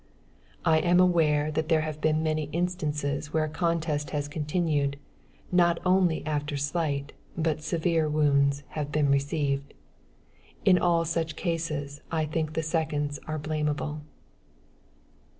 I am aware there have been many instances where a contest has continued, not only after slight, but severe wounds, had been received. In all such cases, I think the seconds are blamable.